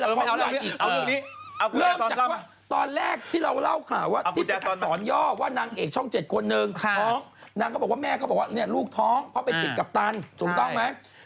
แมลยาแมลยาแมลยาแมลยาแมลยาแมลยาแมลยาแมลยาแมลยาแมลยาแมลยา